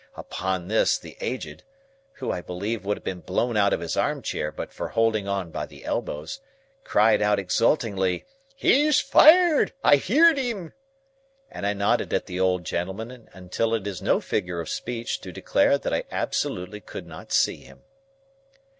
Upon this, the Aged—who I believe would have been blown out of his arm chair but for holding on by the elbows—cried out exultingly, "He's fired! I heerd him!" and I nodded at the old gentleman until it is no figure of speech to declare that I absolutely could not see him.